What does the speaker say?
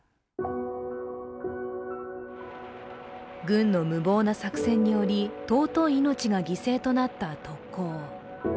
軍の無謀な作戦により尊い命が犠牲となった特攻。